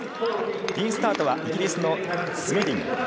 インスタートはイギリスのスメディング。